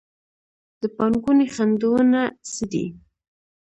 د پانګونې خنډونه څه دي؟